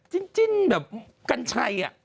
จริงแบบกัญชัย